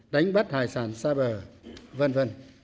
đánh bắt hải sản xa bờ v v